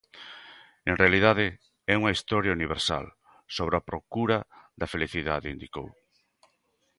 En realidade é unha historia universal, sobre a procura da felicidade, indicou.